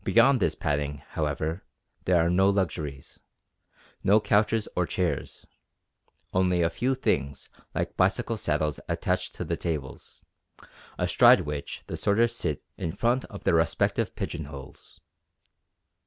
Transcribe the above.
Beyond this padding, however, there are no luxuries no couches or chairs; only a few things like bicycle saddles attached to the tables, astride which the sorters sit in front of their respective pigeon holes.